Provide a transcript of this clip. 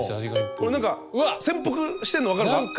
これ何か潜伏してんの分かるか？